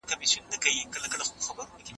ته هم پکې سوزې او زه هم پکې سوزم.